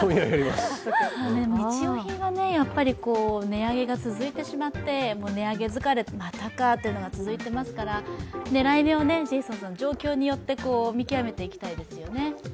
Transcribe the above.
日用品はやっぱり値上げが続いてしまって、値上げ疲れ、またかというのが続いていますから、狙い目を状況によって見極めていきたいですよね。